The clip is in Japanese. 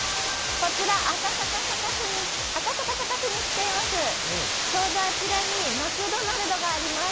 こちら赤坂サカスに来ています。